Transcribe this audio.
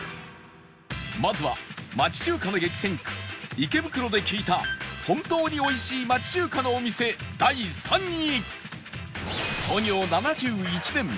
まずは町中華の激戦区池袋で聞いた本当においしい町中華のお店第３位